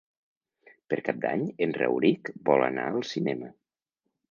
Per Cap d'Any en Rauric vol anar al cinema.